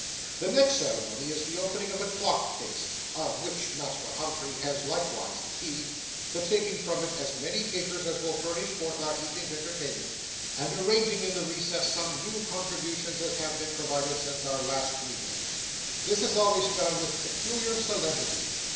The next ceremony is the opening of the clock case (of which Master Humphrey has likewise the key), the taking from it as many papers as will furnish forth our evening's entertainment, and arranging in the recess such new contributions as have been provided since our last meeting. This is always done with peculiar solemnity.